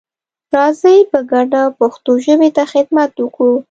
راځئ په ګډه پښتو ژبې ته خدمت وکړو.